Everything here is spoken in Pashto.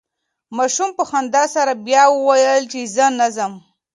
ماشوم په خندا سره بیا وویل چې زه نه ځم.